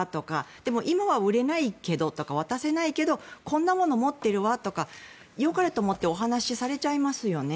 でも今は売れないけどとか渡せないけどこんなもの持ってるわとかよかれと思ってお話しされちゃいますよね。